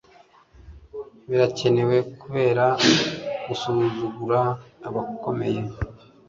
Birakenewe kubera gusuzugura abakomeye